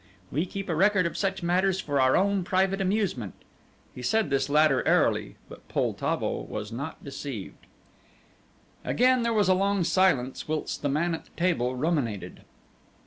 We keep a record of such matters for our own private amusement." He said this latter airily, but Poltavo was not deceived. Again there was a long silence whilst the man at the table ruminated.